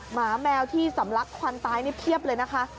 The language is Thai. หมาแมวที่สำลักควันตายนี่เพียบเลยนะคะ